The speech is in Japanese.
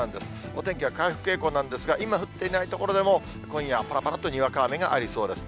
お天気は回復傾向なんですが、今、降っていない所でも今夜、ぱらぱらっとにわか雨がありそうです。